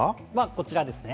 こちらです。